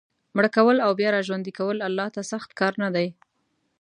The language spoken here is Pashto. مړه کول او بیا را ژوندي کول الله ته سخت کار نه دی.